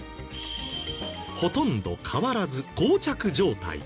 ほとんど変わらず膠着状態。